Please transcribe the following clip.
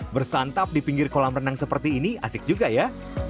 bersantap di pinggir kolam renang seperti ini asik juga ya